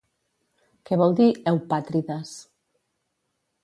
Què vol dir “eupàtrides”?